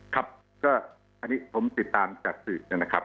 ครับก็อันนี้ผมติดตามจากสื่อนะครับ